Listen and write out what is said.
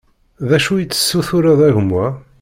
D acu i tessutureḍ a gma?